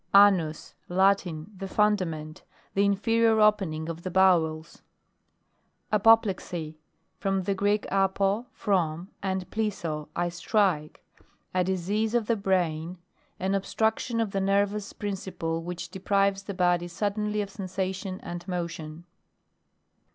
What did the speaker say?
ANUS Latin. The fundament the inferior opening of the bowels. APOPLEXY From the Greek, apo, from, and plesso, I strike : a disease of the brain, an obstruction of the nervous principle which deprives the body suddenly of sensation and motion.